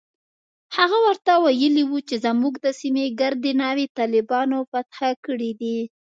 هغه ورته ويلي و چې زموږ د سيمې ګردې ناوې طالبانو فتح کړي دي.